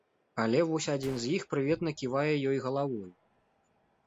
Але вось адзін з іх прыветна ківае ёй галавою.